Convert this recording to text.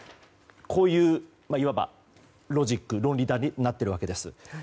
こういう、いわばロジック論理になっているわけです。